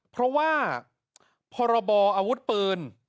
เพราะว่าพรบออาวุธปืน